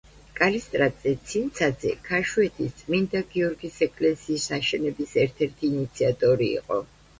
კალისტრატე ცინცაძე ქაშუეთის წმიდა გიორგის ეკლესიის აშენების ერთ-ერთი ინიციატორი იყო.